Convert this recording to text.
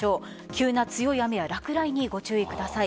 急な強い雨や落雷にご注意ください。